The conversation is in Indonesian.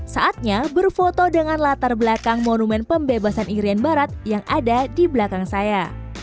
saatnya berfoto dengan latar belakang monumen pembebasan irian barat yang ada di belakang saya